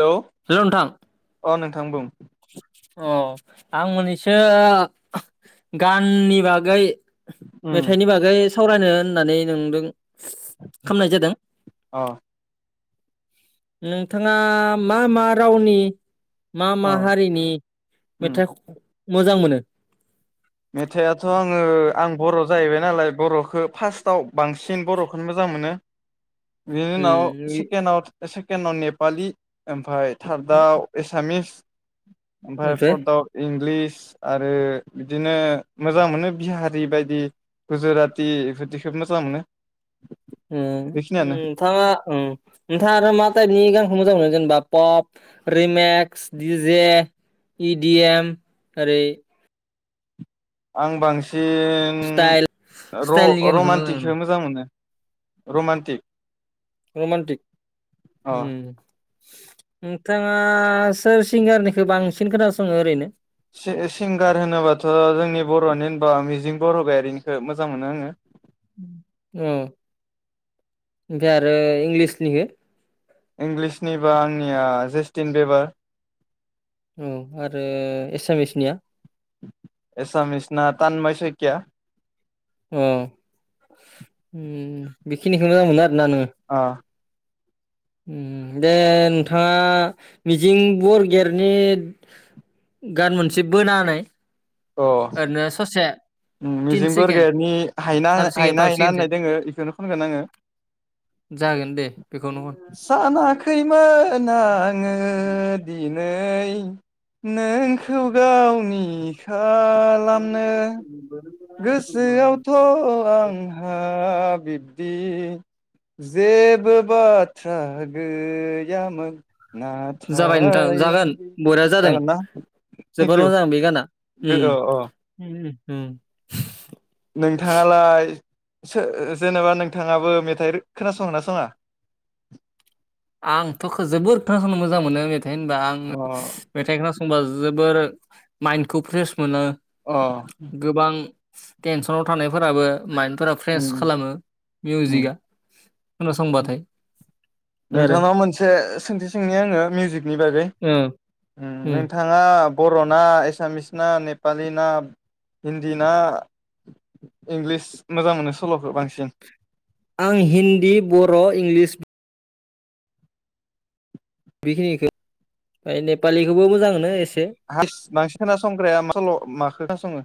Hello hello नोंथां अ नों थां बुं अ आं मोननैसो गाननि बागै उम मेथाइनि बागै सावरायनो होननानै नोंदों खालामनाय जादों अ नोंथाङा मा मा रावनि मा मा हारिनि उम मेथाइ ख मोजां मोनो मेथाइआथ' आङो आं बर' जाहैबाय नालाय बर'खौ फार्स्टआव बांसिन बर'खौनो मोजां मोनो बिनि उ नाव सेकेण्डआव केन' आव नेपालि ओमफ्राय थार्दआव एसामिस ओमफ्राय फर्थआव इंलिस आरो बिदिनो मोजां मोनो बिहारि बायदि गुजराति बेफोरदिखौ मोजां मोनो ओम ओम बेखिनियानो नोंथाङा नोंथाङा आरो मा टाइपनि गानखौ मोजां मोनो जेनेबा पप रिमेक्स डिजे इडिएम ओरै आं बांसि स्टाइल न स्टाइलनि गानखौ मोनो र-रमान्टिकस मोजां मोनो। रमानटिक उम रमान्टिक नोंथाङा सोर सिंगारनिखौ बांसिन खोनासङो ओरैनो? सिंगार होनोबाथ' जोंनि बर'नि होनबा मिजिं बरगायारिनिखौ मोजां मोनो आङो। औ ओमफ्राय आरो इंलिसनि इंलिसनि बा आंनिया जेस्टिन बेबार औ आरो एसामिसनिया एसामिसना [unintelligible] उम अ बेखिनिखौ नानो अ उम दे नोंथाङा मिजिं बरगयारिनि गान मोनसे बोना होनाय ओरैनो ससे उम तिन मिजिं सेकेण्ड बरगयारिनि हायना सारि सेकेण्ड हायना फाइभ सेकेण्डसो होननाय दोङो बेखौनो खनगोन आङो जागोन दे बेखौनो हर सानाखैमोन आङो दिनै नै नोंखौ गावनि खा- खालामलामनो गोसोआवथ' आंहा बा बिब्दि जेबो बाथ्रा गैयामोन जागाय नोंथां नाथाय आं जागोन बरया जादों जागोन ना जोबोर मोजां बे गाना उम [unintelligible] औ औ । उम उम नोंथाङालाय सो जेनेबा नोंथाङाबो मेथाइ खोनासंनासङा? आंथ' जोबोर खोनासंनो मोजां मोनो मे थाय होनबा आं अ [inaudible] मेथाइखो खनबा जोबोर माइन्दखौ फ्रेस मोनो अ गोबां टेनसनाव थानायफोराबो माइन्दफोरा फ्रेस उम खालामो उम मिउजिकआ खोनासंबाथाय । नोंथांनाव मोनसे सोंथि सोंनि आङो मिउजिकनि बागै ओ उम नोंथाङा बर'ना एसामिस ना नेपालि ना हिन्दी ना इंलिस मोजां मोनो सल'खौ बांसिन? आं हिन्दी बर' इंलिस बेखिनिखौ [unintelligible] नेपालि [unintelligible] बांसिन खोनासंग्राया मा सल'? माखौ खोनासङो?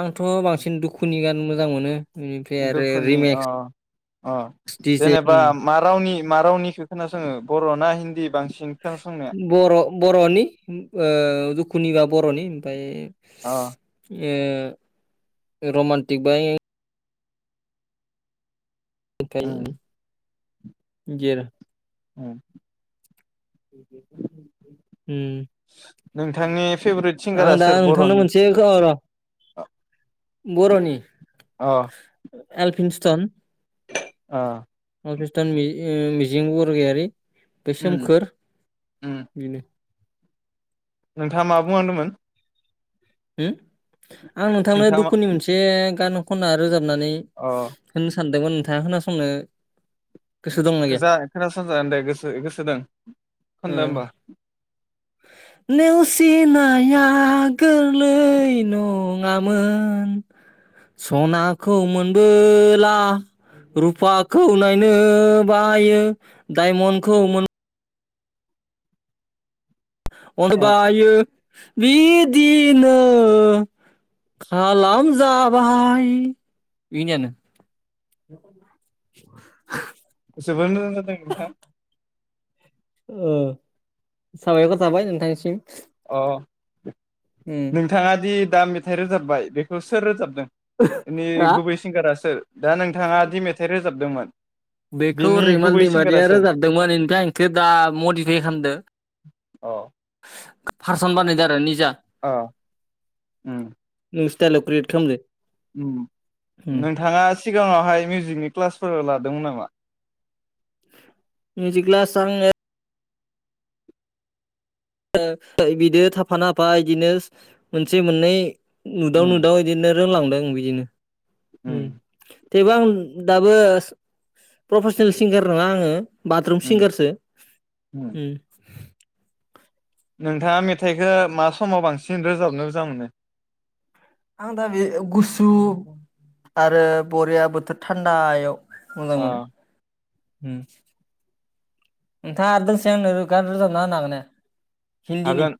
आंथ' बांसिन दुखुनि गान मोजां मोनो। बेनिफ्राय आरो दुखुनि अ रिमेक्स अ दिजे जेनेबा उम मा रावनि? मा रावनिखौ खोनासंङो बर' ना हिन्दी बां बर' बर'नि ओ दुखुनि बा बर'नि ओमफ्राय अ । ओ ओ रमान्टिक बाय उम [unintelligible] [unintelligible] उम । उम । नोंथांनि फेभरेट सिंगारा दा सोर नोंथांनो बर'नि? मोनसे अ र' बर'नि अ एलफिनस्टन [inaudible] ओ। एलफिनस्टन मि ओ मिजिं बरगयारि । बे उम सोमखोर उम बिनो । नोंथाङा मा बुंहांदोंमोन? [inaudible] आं नोंथांनो नोंथाङा मा दुखुनि मोनसे गान खनना रोजाब नानै अ होननो सानदोंमोन [unintelligible] दंना गैया जा खोनासंजागोन दे गोसो गोसो दं खनदो होमबा [unintelligible] लै नङामोन सनाखौ मोनबोला रुफाखौ नायनो बायो डायमन्डखौ मोन अ अनबायो बिदिनो खालामजाबाय बेखिनियानो जोबोर मोजां जादों नोंथां औ साबायखर थाबाय नोंथांनिसिम अ नोंथाङा दि दा मेथाइ रोजाबबाय बेखौ सोर रोजाबदों? नि हा गुबै सिंगारा सोर दा नोंथाङा दि मेथाइ रोजाबदोंमोन बेखौ बिनि रैमाल गुबै सिंगारा दैमारिया सोर रोजाबदोंमोन एमफ्राय आं आंखौ दा मडिफाइ खालामदों अ फारसन बानायदों आरो निजा अ उम सिथाइल अफ्रिद खालामदों। नोंथाङा सिगाङावहाय मिउजिकनि क्लासफोर लादोंमोन नामा? मिउजिक क्लास आंङो [unintelligible] बिदो थाफाना बिदिनो मोनसे मोननै नुदाव उम नुदाव एदिनो रोंलांदों बिदिनो उम थेवबो आं दाबो प्रफेसनेल सिंगार नङा आङो बाथरुम उम सिंगारसो उम नोंथाङा मेथाइखो मा समाव बांसिन रोजाबनो मोजां मोनो? आं दा बे गुसु आरो बरिया बोथोर थान्दायाव [unintelligible] उम अ नोंथाङा दोंसै आंनो रोजाबना होनो हागोन ना हाया? हिन्दीनि हागोन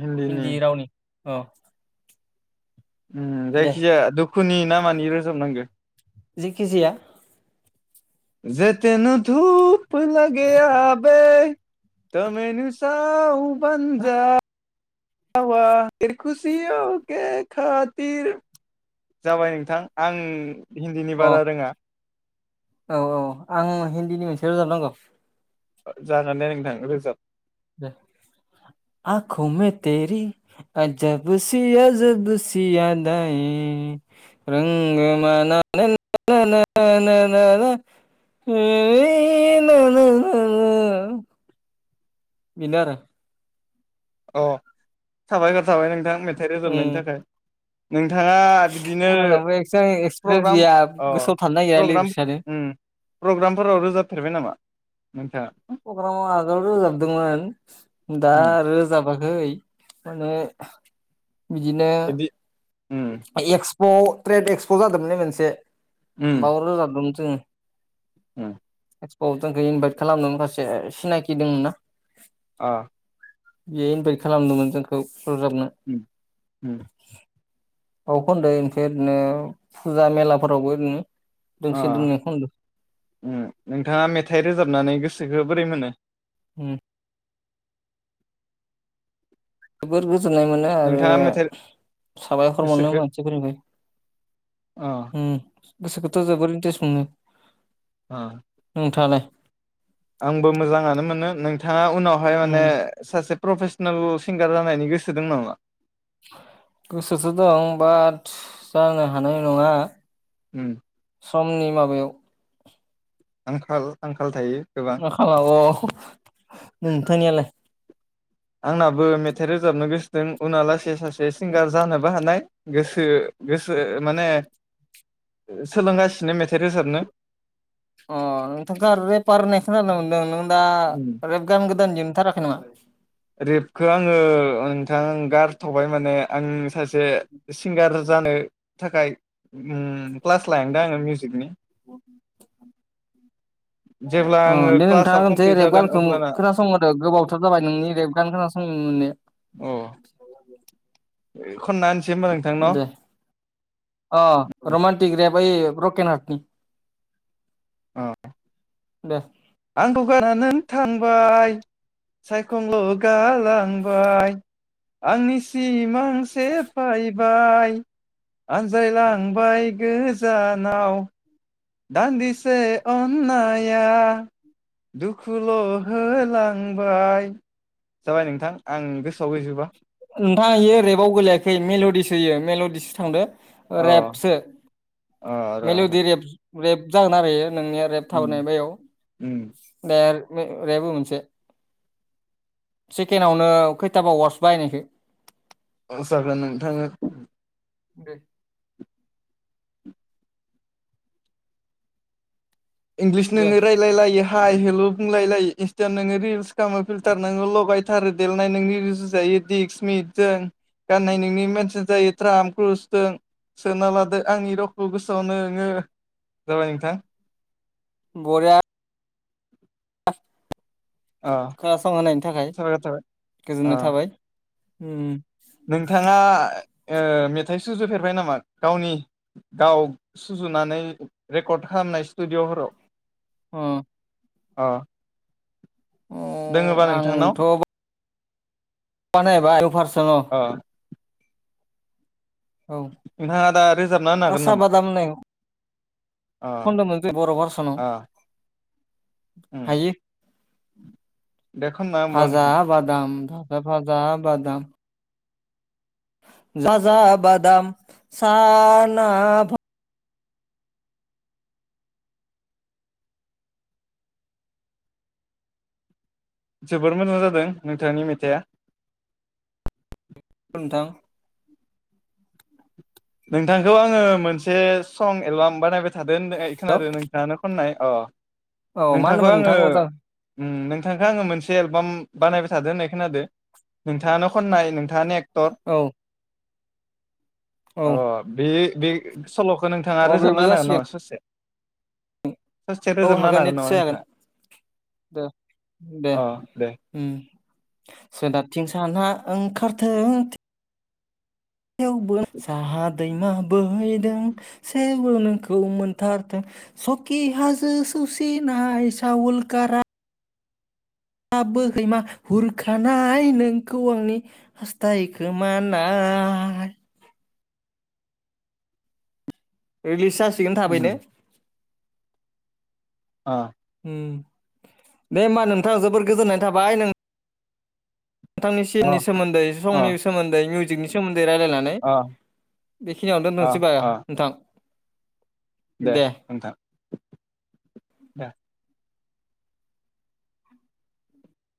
हिन्दीनि हिन्दी रावनि औ। उम जायखिजाया दुखुनि ना मानि रोजाबनांगो? जेखि जाया जे तेनु धुप लागाया बे ता मैेनु साव बनजा हावा देरखुसियावखे खाथिर जाबाय नोंथां आं हिन्दीनि अ बारा रोङा औ औ आं हिन्दीनि मोनसे रोजाब नांगौ? जागोन दे नोंथां रोजाब । दे, आखुु मे तेरि आजब सिया ज सया [unintelligible] बिनो आरो। अ' साबायगर थाबाय नोंथां मे थाइ उम रोजाबनायनि थाखाय। नोंथाङा बिदिनो, आंनावबो एक्सां एक्सपिरियेन्स प्रग्राम गैया अ' गोसोआव थानो नागिरा प्रग्राम लिरिक्सआनो उम प्रग्रामफोराव रोजाबफेरबाय नामा? मोनो थाया? प्रग्रामाव आगोल रोजाबदोंमोन, दा उम आरो जाबाख हैै माने बिदिनो। बिदि उम एस प' ट्रेड एक्सप' जादोंमोनलै मोनसे। उम बाव रोजादों दों उम। एक्सप' आव जोंखौ इनभाइट खालामदोंमोन माखासे सिनायखि दंमोन ना। आ। बेयो इनभाइट खालामदोंमोन जोंखौ। रोजाबनो उम उम। अ' खनदों ओमफ्राय ओरैनो फुजा मेलाफोरावबो ओरैनो। दोंसे दोंनै खनदो अ' नोंथाङा मेथाइ रोजाबनानै गोसो गोसोखौ बोरै मोनो? उम। [inaudible] गोजोननाय मोनो आरो नोंथाङा मेथाइ साबायखर मोनो गोसोखो मानसिफोरनिफ्राइ अ उम। गसोखौथ' जोबोर इन्टेरेस मोनो। अ नोंथाङालाय? आंबो मोजाङानो मोनो, नोंथाङा। उनावहाय माने उम सासे प्रफेसनेल सिंगार जानायनि गोसो दं नामा? गोसोसो दं बाट जानो हानाय नङा। उम। समनि माबायाव। आंखाल आंखाल थायो। गोबां [unintelligible] नोंथांनियालाय। आंनाबो मेथाइ रोजाबनो गोसोदोंं उन लासै सासे सिंगार जानोबो हानाय, गोसो गोसो माने सोलोंगासिनो मेथाइ रोजाबनो। [unintelligible] दा रेफ गान गोदान दिहुथाराखै नामा? रेबखौ आंङो नोंथां गारथबाय माने आं सासे सिंगार जानो थाखाय ओम [inaudible] क्लास लाहांदों आङो मिउजिकनि जेब्ला आङो दे क्लासा नोंथाङा खसे कमप्लिट रैब जागोन गानखौ अब्लाना खोनासंहरदो गोबावथार जाबाय नों नोंनि रेफ गान खोना संनो मोनैया अ खनना होमबा नोंथां न' दे अ रमान थिग गैयाबा ब्रकेन हाथनि औ दे आंखौ गारनानै नों थांबाय सायखंल' गालांबाय आंनि सि आंनि सिमां सेफाय बाय आनज्रायलांबाय गोजानाव दान्दिसे अन्नाया दुखुल' होलांबाय जाबाय नोंथां आं गोसोआव गैजोबा नोंथाङा इयो रेबाव गोलैयाखै मेल'दिसो होयो मेल'दिसो थांदो अ रेपसो अ र' र' मेलौदि रेप [inaudible] रेब जागोन आरो बेयो नोंनिया रेब उम थाबायना उम [unintelligible] रेप हो मोनसे सेकेडआवनो खैथाबा वार्डस बाहायनायखो [inaudible] जागोन नोंथाङा दे दे इंलिसनिनो रायलायलायो हाय हेलौ बुंलाय लायो इनसथायाव नों रिस खामो फिलथार नोंङो लगाय थारो देलायनाय नोंनि रुजु जायो दिस मिसथोन गाननाय नोंनि द्राम दिसफ्रोन सोना लादो आंनि रावखौ गोसोआव नोंङो जाबाय नोंथां बरिया अ खोनासंहायनि थाखाय साबायखर थाबाय गोजोननाय अ थाबाय उम नोंथाङा ओ मेथाइ सुजुफेरबाय नामा गावनि गाव सुजुनानै रेकर्ड खालामनाय स्टुडिअ'फोराव अ अ दोंङोबा अ नोंथांनाव बानायाबा दफार दंङ अ औ नोंथाङा दा रोजाबना होनो हागोन खासा नामा बादाम होननाय अ खनदोंमोन जे बर' भारसनाव अ उम हायो दे खनना होमबा फाजा नोंथां बादाम ओ फाजा बादाम फाजा बादाम साना ना बा जोबोर मोजां जादों नोंथांनि मेथाइआ नोंथां नोंथांखौ आङो मोनसे सं एलबाम बानायबाथाय थादो होननाय औ खोनादो दानो खननाय अ औ मा नोंथांखौ होनोमोन नोंथां आङो मोजां नोंथांखौ आङो मोनसे एलबाम बानायबाय थादो होननाय खोनादो नोंथाङानो खननाय नोंथाङा एक औ औ अ बे बे सल'खौ नोंथाङा अ बेबो रोजाबना होनो हागोन नामा जासिगोन ससे ससे औ रोजाबना होनो हागोन नामा निस्सय जागोन नोंथाङा दे दे अ दे उम सोनाबथिं सानहा ओंखारथों थेवबो साहा दैमा बोहैदों सेल खौ नोंखौ मोनथारथों सकि हाजो सौसिनाय साउलकारा आ बोहैमा हुरखानाय नोंखौ आंनि हास्थाय खोमानाय रिलिस जासि सिगोन थाबैनो उम आ ओम दे होमबा नोंथां जोबोर गोजोननाय थाबाय नों नोंथांनि सिमनि अ सोमोन्दै संनि अ सोमोन्दै मिउ [unintelligible] जिक नि सोमो नदै रायलायनानै अ बेखिनियावनो अ दोनथ'सै बा अ नोंथां दे नोंथां बा